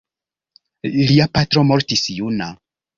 Lia patro mortis juna.